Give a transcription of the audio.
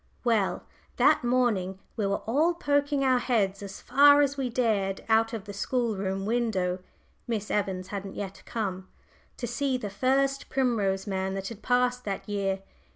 Well, that morning we were all poking our heads as far as we dared out of the school room window Miss Evans hadn't yet come to see the first primrose man that had passed that year.